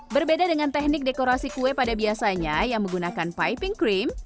berbeda dengan teknik dekorasi kue pada biasanya yang menggunakan piping cream